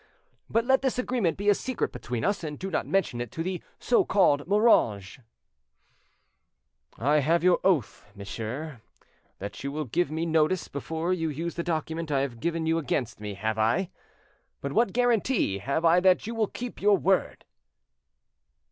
But let this agreement be a secret between us, and do not mention it to the so called Moranges." "I have your oath, monsieur, that you will give me notice before you use the document I have given you against me, have I? But what guarantee have I that you will keep your word?"